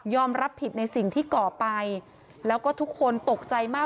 รับผิดในสิ่งที่ก่อไปแล้วก็ทุกคนตกใจมาก